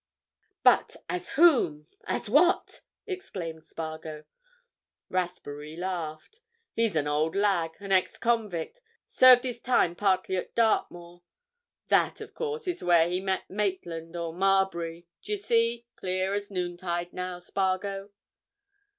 "But as whom—as what?" exclaimed Spargo. Rathbury laughed. "He's an old lag—an ex convict. Served his time partly at Dartmoor. That, of course, is where he met Maitland or Marbury. D'ye see? Clear as noontide now, Spargo."